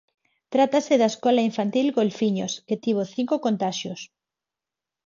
Trátase da escola infantil Golfiños, que tivo cinco contaxios.